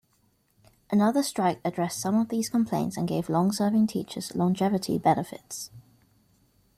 Another strike addressed some of these complaints and gave long-serving teachers longevity benefits.